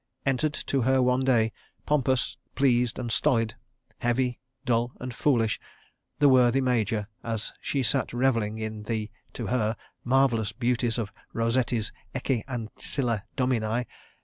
... Entered to her one day—pompous, pleased, and stolid; heavy, dull, and foolish—the worthy Major as she sat revelling in the (to her) marvellous beauties of Rosetti's Ecce Ancilla Domini.